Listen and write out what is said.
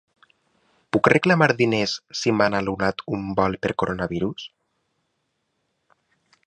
Puc reclamar diners si m’han anul·lat un vol pel coronavirus?